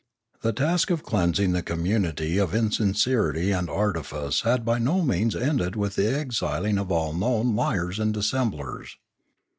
The task of cleansing the community of insincerity and artifice had by no means ended with the exiling of all known liars and dissemblers.